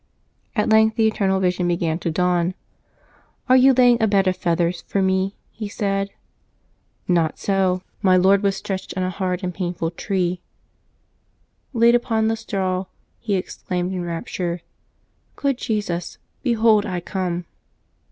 At length the eternal vision began to dawn. " Are you laying a bed of feathers for me?" he said. "ISTot so; my Lord was 306 LIVES OF TEE SAINTS [Septembeb 6 stretched on a hard and painful tree." Laid upon the straw, he exclaimed in rapture, " Good Jesus, behold I come."